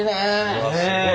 うわすごい。